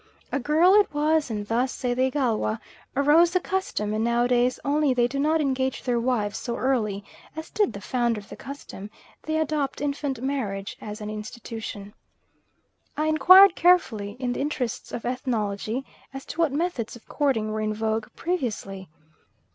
A girl it was, and thus, say the Igalwa, arose the custom; and nowadays, although they do not engage their wives so early as did the founder of the custom, they adopt infant marriage as an institution. I inquired carefully, in the interests of ethnology, as to what methods of courting were in vogue previously.